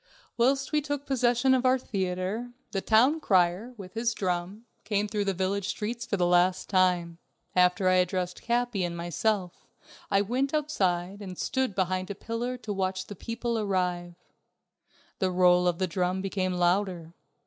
Whilst we took possession of our theater, the town crier, with his drum, came through the village streets for the last time. After I had dressed Capi and myself, I went outside and stood behind a pillar to watch the people arrive. The roll of the drum became louder.